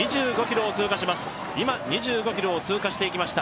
今、２５ｋｍを通過していきました。